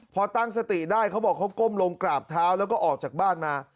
พอตั้งสติได้เขาบอกเขาก้มลงกราบเท้าแล้วก็ออกจากบ้านมา